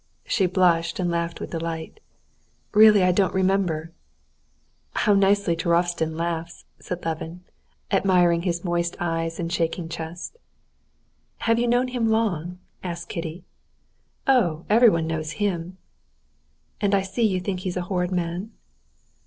She blushed and laughed with delight; "Really I don't remember." "How nicely Turovtsin laughs!" said Levin, admiring his moist eyes and shaking chest. "Have you known him long?" asked Kitty. "Oh, everyone knows him!" "And I see you think he's a horrid man?"